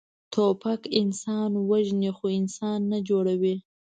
توپک انسان وژني، خو انسان نه جوړوي.